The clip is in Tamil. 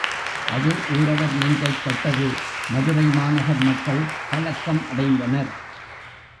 அது ஊரவர் நெஞ்சைத் தொட்டது மதுரைமாநகர் மக்கள் கலக்கம் அடைந்தனர்.